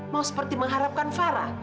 mau seperti mengharapkan farah